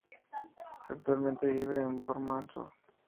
Actualmente vive en Bomarzo.